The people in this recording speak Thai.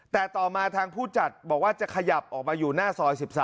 แต่ต่อมาทางผู้จัดบอกว่าจะขยับออกมาอยู่หน้าซอย๑๓